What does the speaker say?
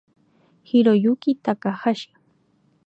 Hiroyuki Takahashi